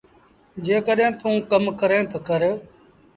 جيڪڏهيݩ توݩ ڪم ڪريݩ تا ڪر۔